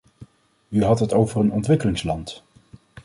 U had het over een ontwikkelingsland.